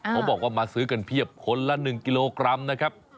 เขาบอกว่ามาซื้อกันเพียบคนละ๑กิโลกรัมนะครับ